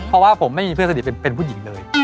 เพราะว่าผมไม่มีเพื่อนสนิทเป็นผู้หญิงเลย